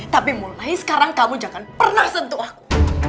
tapi mulai sekarang kamu jangan pernah sentuh aku